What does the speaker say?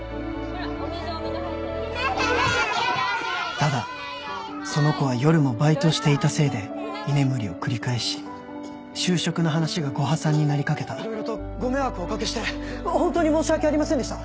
ただその子は夜もバイトしていたせいで居眠りを繰り返し就職の話がご破算になりかけたいろいろとご迷惑をお掛けして本当に申し訳ありませんでした。